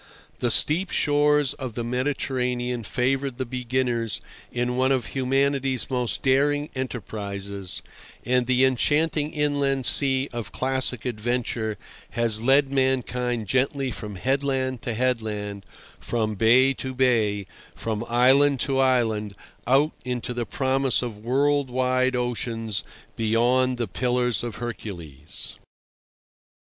The steep shores of the Mediterranean favoured the beginners in one of humanity's most daring enterprises, and the enchanting inland sea of classic adventure has led mankind gently from headland to headland, from bay to bay, from island to island, out into the promise of world wide oceans beyond the Pillars of Hercules.